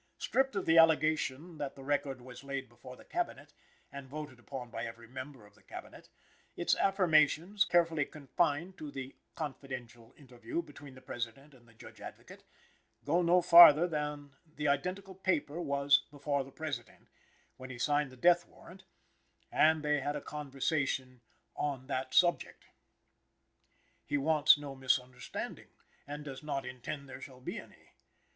Stripped of the allegation that the record was laid before the Cabinet and voted upon by every member of the Cabinet, its affirmations, carefully confined to "the confidential interview" between the President and the Judge Advocate, go no farther than that "the identical paper" was "before the President," when he signed the death warrant, and they had a conversation "on the subject." "He wants no misunderstanding" and does "not intend there shall be any."